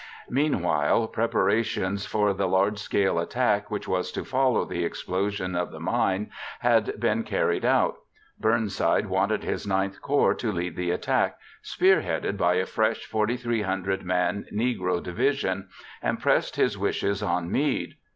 Meanwhile, preparations for the large scale attack which was to follow the explosion of the mine had been carried out. Burnside wanted his IX Corps to lead the attack, spearheaded by a fresh, 4,300 man Negro division, and pressed his wishes on Meade.